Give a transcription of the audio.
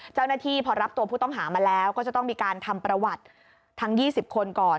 เจ้าหน้าที่พอรับตัวผู้ต้องหามาแล้วก็จะต้องมีการทำประวัติทั้ง๒๐คนก่อน